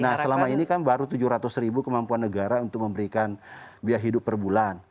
nah selama ini kan baru tujuh ratus ribu kemampuan negara untuk memberikan biaya hidup per bulan